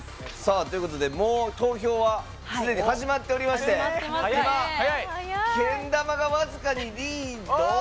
ということで、もう投票はすでに始まっておりましてけん玉が僅かにリード。